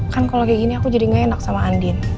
kan kalau kayak gini aku jadi gak enak sama andin